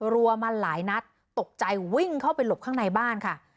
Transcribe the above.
รัวมาหลายนัดตกใจวิ่งเข้าไปหลบข้างในบ้านค่ะ